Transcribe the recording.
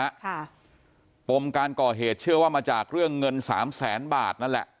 ค่ะปมการก่อเหตุเชื่อว่ามาจากเรื่องเงินสามแสนบาทนั่นแหละ